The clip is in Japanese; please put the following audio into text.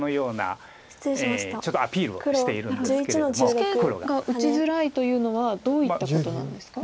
ツケが打ちづらいというのはどういったことなんですか？